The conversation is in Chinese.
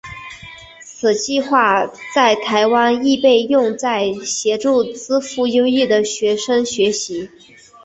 此计画在台湾亦被用在协助资赋优异的学生学习。